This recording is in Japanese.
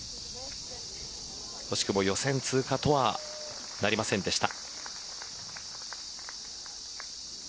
惜しくも予選通過とはなりませんでした。